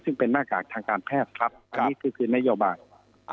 ซึ่งเป็นหน้ากากทางการแพทย์ครับอันนี้ก็คือนโยบาย